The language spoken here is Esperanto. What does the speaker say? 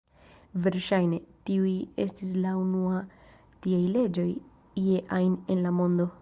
Verŝajne, tiuj estis la unua tiaj leĝoj ie ajn en la mondo.